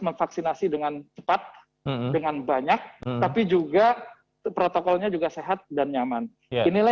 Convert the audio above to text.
memvaksinasi dengan cepat dengan banyak tapi juga protokolnya juga sehat dan nyaman inilah